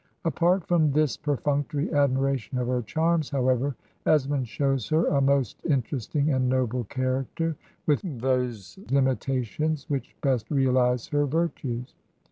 Apart from this perfunctory admiration of her charms, however, Es mond shows her a most interesting and noble character, with those limitations which best realize her virtues.